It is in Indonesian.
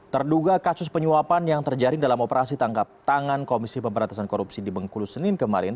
terduga kasus penyuapan yang terjaring dalam operasi tangkap tangan komisi pemberantasan korupsi di bengkulu senin kemarin